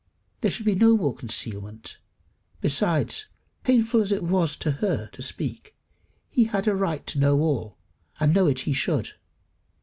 There should be no more concealment. Besides, painful as it was to her to speak, he had a right to know all, and know it he should.